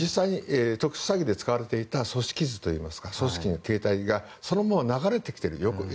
特殊詐欺で使われていた組織図、組織の形態がそのまま流れてきている。